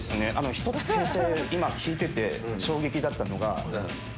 １つ今聞いてて衝撃だったのが。